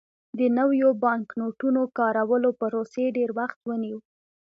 د نویو بانکنوټونو کارولو پروسې ډېر وخت ونیو.